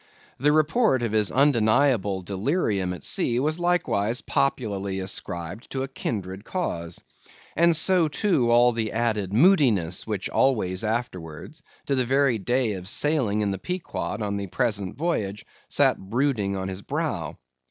The report of his undeniable delirium at sea was likewise popularly ascribed to a kindred cause. And so too, all the added moodiness which always afterwards, to the very day of sailing in the Pequod on the present voyage, sat brooding on his brow.